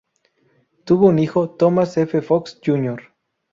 Tuvo un hijo, Thomas F. Fox, Jr.